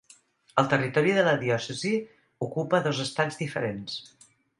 El territori de la diòcesi ocupa dos estats diferents: